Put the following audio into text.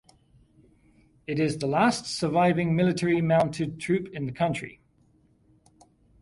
It is the last surviving military mounted troop in the country.